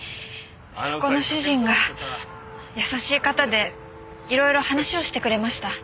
そこの主人が優しい方で色々話をしてくれました。